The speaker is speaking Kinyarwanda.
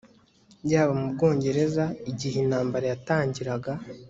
Yaba mu Bwongereza igihe intambara yatangiraga